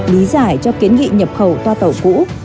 lý giải cho kiến nghị nhập khẩu toa tàu cũ